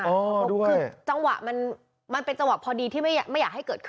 เพราะจังหวะเป็นจังหวะที่ไม่อยากให้เกิดขึ้น